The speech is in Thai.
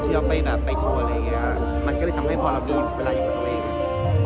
เอาไปแบบไปโชว์อะไรอย่างเงี้ยมันก็เลยทำให้พอเรามีเวลาอยู่กับตัวเองอ่ะ